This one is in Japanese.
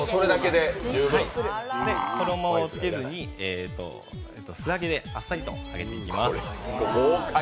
衣をつけずに素揚げであっさりと揚げていきます。